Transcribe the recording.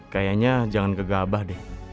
kayaknya jangan kegabah deh